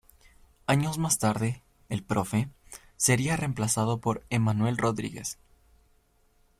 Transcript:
Años más tarde el "Profe" sería reemplazado por Emanuel Rodríguez.